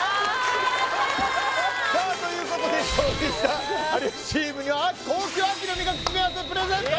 さあということで勝利した有吉チームには高級秋の味覚詰め合わせプレゼント！